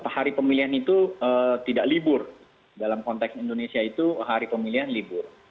hari pemilihan itu tidak libur dalam konteks indonesia itu hari pemilihan libur